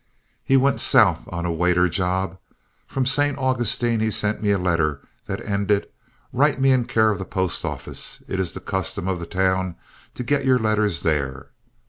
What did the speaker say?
He went South on a waiter job. From St. Augustine he sent me a letter that ended: "Write me in care of the post office; it is the custom of the town to get your letters there."